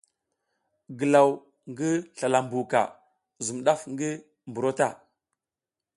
Glaw ngi slala mbuka zum daf ngi buro ta.